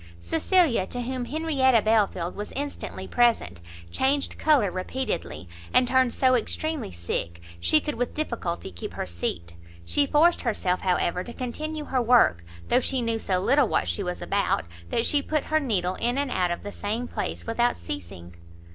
Cecilia, to whom Henrietta Belfield was instantly present, changed colour repeatedly, and turned so extremely sick, she could with difficulty keep her seat. She forced herself, however, to continue her work, though she knew so little what she was about, that she put her needle in and out of the same place without ceasing.